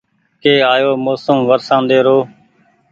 ڪي آيو موسم ورشاندي رو